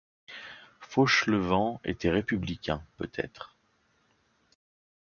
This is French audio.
Fauchelevent était républicain peut-être.